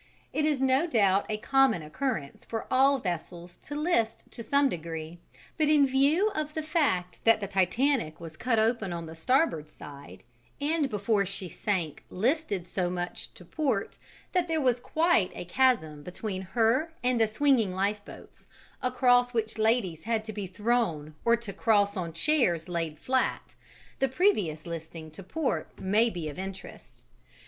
It is no doubt a common occurrence for all vessels to list to some degree; but in view of the fact that the Titanic was cut open on the starboard side and before she sank listed so much to port that there was quite a chasm between her and the swinging lifeboats, across which ladies had to be thrown or to cross on chairs laid flat, the previous listing to port may be of interest.